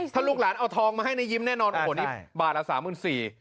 ถ้าลูกหลานเอาทองมาให้ในยิ้มแน่นอนโอ้โหนี่บาทละ๓๔๐๐บาท